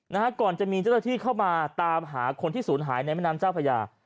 นะฮะก่อนจะมีเจ้าหน้าที่เข้ามาตามหาคนที่ศูนย์หายในแม่น้ำเจ้าพญา